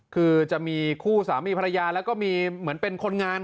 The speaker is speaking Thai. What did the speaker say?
คือจะมีคู่สามีภรรยาแล้วก็มีเหมือนเป็นคนงาน